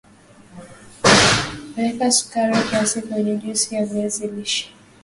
weka sukari kiasi kwenye juisi ya viazi lishe